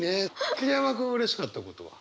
桐山君うれしかったことは？